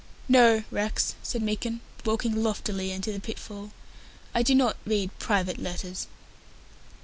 "No, Rex," said Meekin, walking loftily into the pitfall; "I do not read private letters."